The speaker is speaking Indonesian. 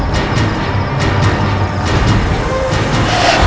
jangan bunuh saya